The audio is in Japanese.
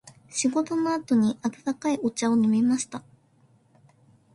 仕事の後に温かいお茶を飲みました。